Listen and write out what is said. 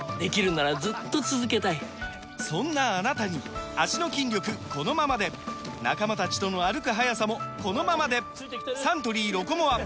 そんなあなたに脚の筋力このままで仲間たちとの歩く速さもこのままでサントリー「ロコモア」！